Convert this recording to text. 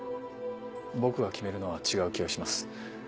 僕が決めるのは違う気がします。